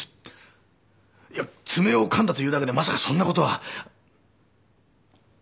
いや爪を噛んだというだけでまさかそんな事は。